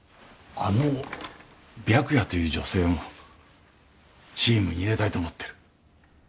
あの白夜という女性もチームに入れたいと思ってる。